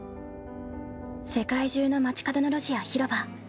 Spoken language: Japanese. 世界中の街角の路地や広場